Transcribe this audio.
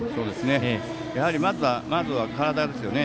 やはりまずは体ですよね。